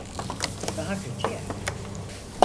Daha kötü ya...